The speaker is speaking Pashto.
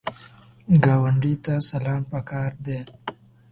ګاونډي ته سلام پکار دی